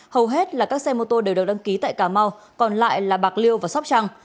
hầu hết là các xe mô tô đều được đăng ký tại cà mau còn lại là bạc liêu và sóc trăng